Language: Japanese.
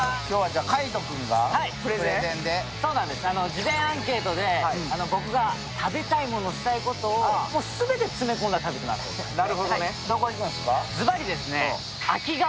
事前アンケートで僕が食べたいこと、したいことを全て詰め込んだ旅となっております。